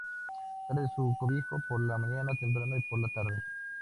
Sale de su cobijo por la mañana temprano y por la tarde.